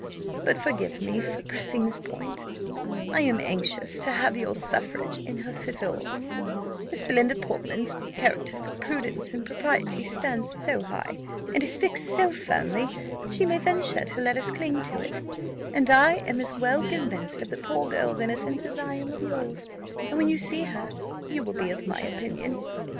But forgive me for pressing this point; I am anxious to have your suffrage in her favour: Miss Belinda Portman's character for prudence and propriety stands so high, and is fixed so firmly, that she may venture to let us cling to it; and I am as well convinced of the poor girl's innocence as I am of yours; and when you see her, you will be of my opinion."